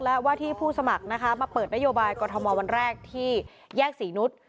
และว่าที่ผู้สมัครนะคะมาเปิดนโยบายกรทมวันแรกที่แยกศรีนุษย์